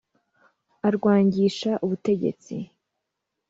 arwangisha ubutegetsi